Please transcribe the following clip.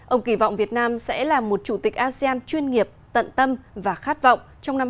ông kỳ vọng việt nam sẽ là một chủ tịch asean chuyên nghiệp tận tâm và khát vọng trong năm hai nghìn hai mươi